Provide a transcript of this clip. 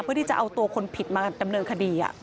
เพื่อที่จะเอาตัวคนผิดมาดำเนินคดี